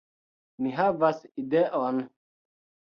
Mi havas ideon